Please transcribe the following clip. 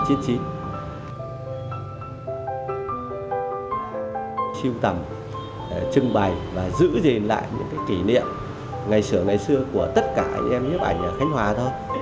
siêu tầm trưng bày và giữ gìn lại những cái kỷ niệm ngày xưa ngày xưa của tất cả anh em nhếp ảnh ở khánh hòa thôi